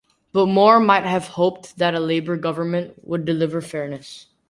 But more might have hoped that a Labour government would deliver fairness.